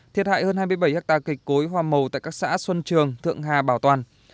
thiệt hại hơn hai mươi bảy hectare kịch cối hoa màu tại các xã xuân trường thượng hà bảo toàn